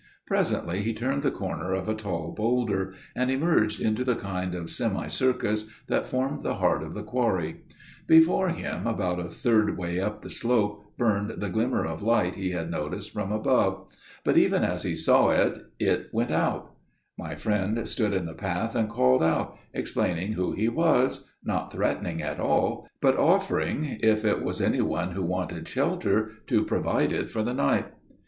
Presently he turned the corner of a tall boulder, and emerged into the kind of semi circus that formed the heart of the quarry: before him, about a third way up the slope, burned the glimmer of light he had noticed from above, but even as he saw it it went out: my friend stood in the path and called out, explaining who he was, not threatening at all, but offering, if it was any one who wanted shelter, to provide it for the night.